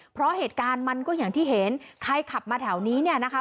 เพราะเหตุการณ์มันก็อย่างที่เห็นใครขับมาแถวนี้เนี่ยนะคะ